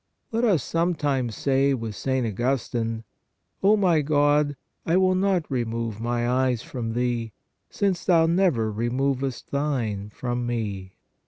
Let us, some times, say with St. Augustine :" O my God, I will not remove my eyes from Thee, since Thou never removest Thine from me."